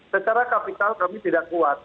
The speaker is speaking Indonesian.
secara kapital kami tidak kuat